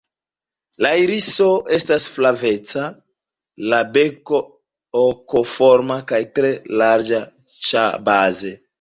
La iriso estas flaveca, la beko hokoforma kaj tre larĝa ĉebaze.